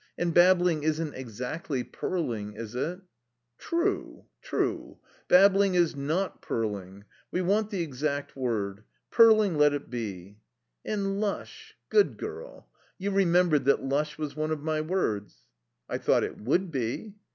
And babbling isn't exactly purling, is it?" "True true. Babbling is not purling. We want the exact word. Purling let it be.... "And 'lush.' Good girl. You remembered that 'lush' was one of my words?" "I thought it would be."